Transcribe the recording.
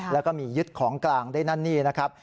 แล้วก็มียึดของกลางได้นั่นนี่นะครับ